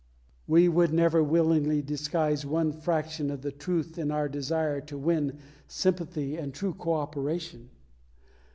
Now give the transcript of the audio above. We would never willingly disguise one fraction of the truth in our desire to win sympathy and true co operation.